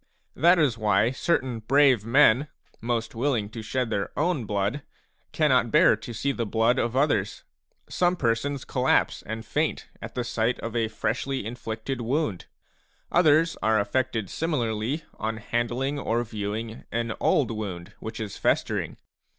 That is why certain brave men, most willing to shed their own blood, cannot bear to see the blood of others. Some persons collapse and faint at the sight of a freshly inflicted wound ; others are afFected similarly on handling or viewing an old wound which is festering.